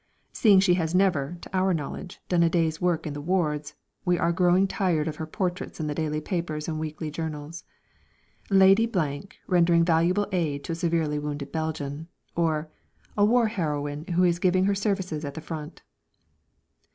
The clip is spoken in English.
Seeing she has never, to our knowledge, done a day's work in the wards, we are growing tired of her portraits in the daily papers and weekly journals: "Lady rendering valuable aid to a severely wounded Belgian," or: "A war heroine who is giving her services at the front."